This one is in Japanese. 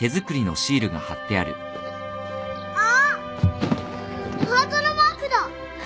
あっハートのマークだ。